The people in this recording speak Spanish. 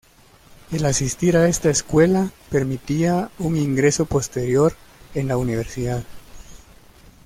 El asistir a esta escuela permitía un ingreso posterior en la universidad.